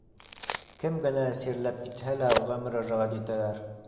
Кем генә сирләп китһә лә, уға мөрәжәғәт итәләр.